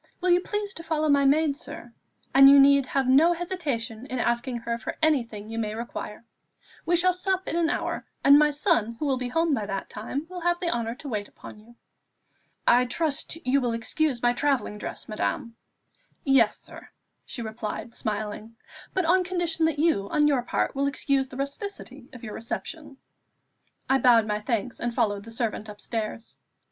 Will you please to follow my maid, sir; and you need have no hesitation in asking her for anything you may require. We shall sup in an hour, and my son, who will be home by that time, will have the honour to wait upon you." "I trust you will excuse my travelling dress, madame." "Yes, sir," she replied smiling; "but on condition that you, on your part, will excuse the rusticity of your reception." I bowed my thanks, and followed the servant upstairs.